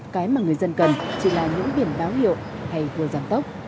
cái mà người dân cần chỉ là những điểm báo hiệu hay cua giảm tốc